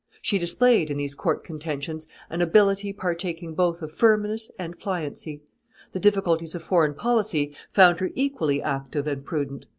She displayed, in these court contentions, an ability partaking both of firmness and pliancy. The difficulties of foreign policy found her equally active and prudent.